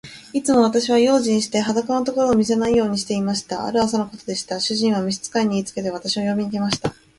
いつも私は用心して、裸のところを見せないようにしていました。ある朝のことでした。主人は召使に言いつけて、私を呼びに来ました。